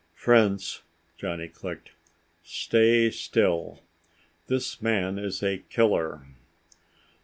"Friends," Johnny clicked, "stay still. This man is a killer."